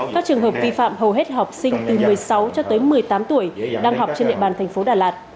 các trường hợp vi phạm hầu hết học sinh từ một mươi sáu cho tới một mươi tám tuổi đang học trên địa bàn thành phố đà lạt